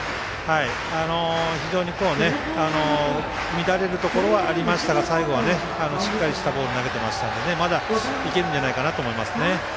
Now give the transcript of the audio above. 非常に乱れるところはありましたが最後はしっかりしたボール投げていましたのでまだいけるんじゃないかなと思いますね。